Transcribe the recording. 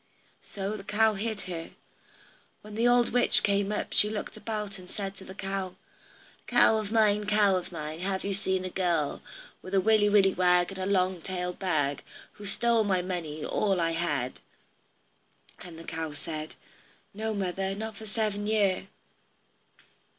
So the cow hid her. When the old witch came up, she looked about and said to the cow: "Cow of mine, cow of mine, Have you seen a girl With a willy willy wag, and a long tailed bag, Who's stole my money, all I had?" And the cow said, "No, mother, not for seven year."